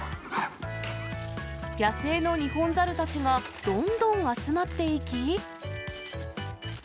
野生のニホンザルたちがどんどん集まっていき。